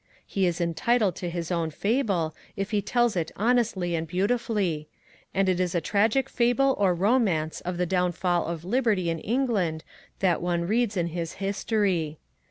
He is entitled to his own fable, if he tells it honestly and beautifully; and it is as a tragic fable or romance of the downfall of liberty in England that one reads his History.